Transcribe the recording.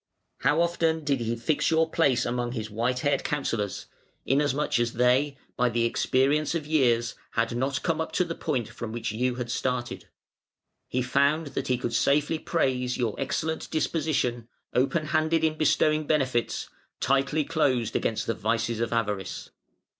How often did he fix your place among his white haired counsellors; inasmuch as they, by the experience of years, had not come up to the point from which you had started! He found that he could safely praise your excellent disposition, open handed in bestowing benefits, tightly closed against the vices of avarice". [Footnote 87: Variæ, ix., 24.